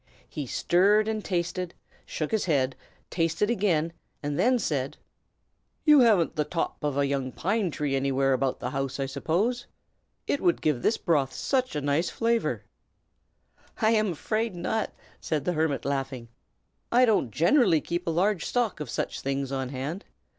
He stirred and tasted, shook his head, tasted again, and then said, "You haven't the top of a young pine tree anywhere about the house, I suppose? It would give this broth such a nice flavor." "I am afraid not!" said the hermit, laughing. "I don't generally keep a large stock of such things on hand.